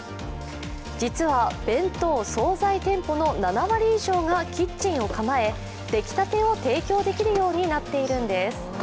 実は弁当、総菜店舗の７割以上がキッチンを構え出来たてを提供できるようになっているんです。